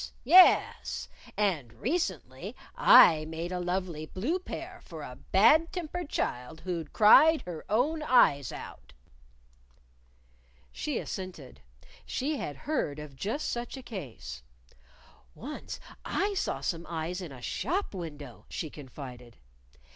Yes! And recently I made a lovely blue pair for a bad tempered child who'd cried her own eyes out." She assented. She had heard of just such a case. "Once I saw some eyes in a shop window," she confided.